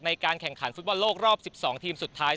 ในการแข่งขันฟุตบอลโลกรอบ๑๒ทีมสุดท้าย